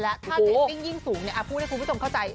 ถ้าเศรษฐ์ยิ่งสูงพูดให้คุณผู้ชมเข้าใจ